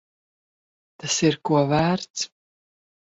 Tas ir ko vērts.